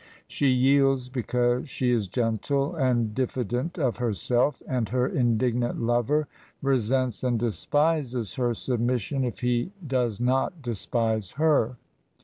She yields because she is gentle and diffident of herself, and her indignant lover resents and despises her submission if he does not despise her.